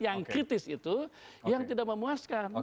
yang kritis itu yang tidak memuaskan